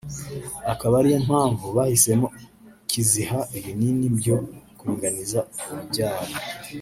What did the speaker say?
akaba ariyo mpamvu bahisemo kiziha ibinini byo kuringaniza urubyaro